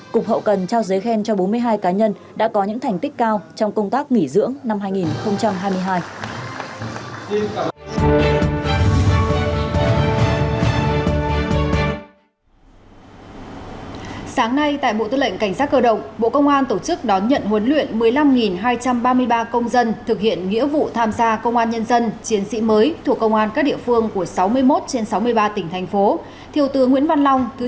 cục hậu cần trao giấy khen cho bốn mươi hai cá nhân đã có những thành tích cao trong công tác nghỉ dưỡng năm hai nghìn hai mươi hai